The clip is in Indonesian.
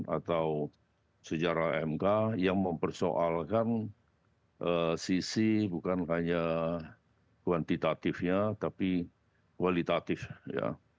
atau sejarah mk yang mempersoalkan sisi bukan hanya kuantitatifnya tapi kualitatif ya